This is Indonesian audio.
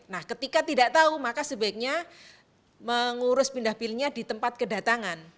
nah ketika tidak tahu maka sebaiknya mengurus pindah pilihnya di tempat kedatangan